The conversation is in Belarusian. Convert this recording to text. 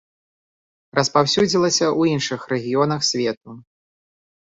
Распаўсюдзілася ў іншых рэгіёнах свету.